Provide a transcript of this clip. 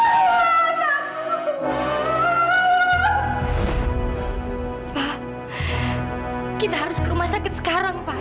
pa kita harus ke rumah sakit sekarang pa